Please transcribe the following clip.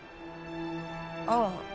ああ。